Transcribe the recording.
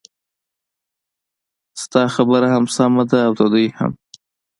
ههه ستا خبره هم سمه ده او د دوی هم.